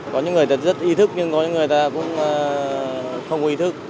có những người rất ý thức nhưng có những người cũng không ý thức